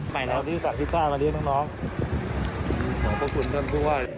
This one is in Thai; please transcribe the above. ใหม่แล้วดีสัตว์ที่จ้ามาเรียนทั้งน้อง